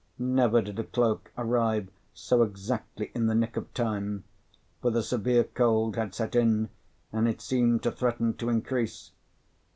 Never did a cloak arrive so exactly in the nick of time; for the severe cold had set in, and it seemed to threaten to increase.